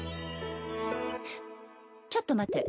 ちょっと待て。